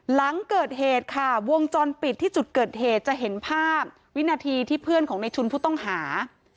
หลังเกิดเหตุค่ะวงจรปิดที่จุดเกิดเหตุจะเห็นภาพวินาทีที่เพื่อนของในชุนผู้ต้องหา